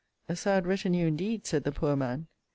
A sad retinue, indeed! said the poor man.